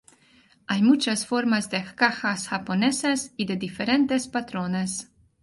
Hay muchas formas de cajas japonesas y de diferentes patrones.